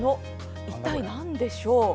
一体なんでしょう？